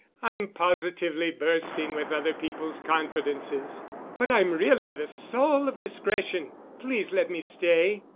I'm positively bursting with other people's confidences. But I'm really the soul of discretion. Please let me stay."